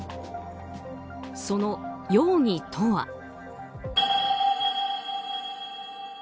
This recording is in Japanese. その容疑とは。